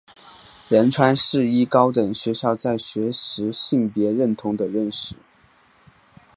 仁川世一高等学校在学时性别认同的认识。